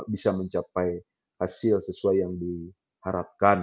bisa mencapai hasil sesuai yang diharapkan